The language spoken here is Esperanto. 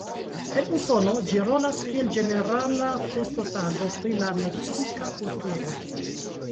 En Usono ĝi rolas kiel ĝenerala festotago pri la meksika kulturo.